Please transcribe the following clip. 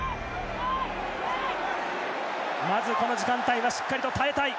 まずこの時間帯はしっかりと耐えたい。